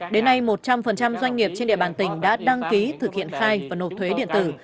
đến nay một trăm linh doanh nghiệp trên địa bàn tỉnh đã đăng ký thực hiện khai và nộp thuế điện tử